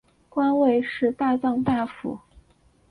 官位是大藏大辅。